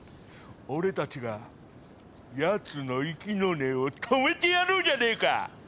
俺たちがやつの息の根を止めてやろうじゃねえか。